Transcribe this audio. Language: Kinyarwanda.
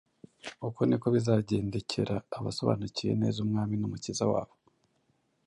Uko niko bizagendekera abasobanukiwe neza Umwami n’Umukiza wabo.